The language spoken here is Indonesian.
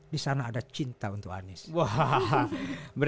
disana ada cinta untuk anies